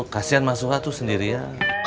kasian mas suha tuh sendirian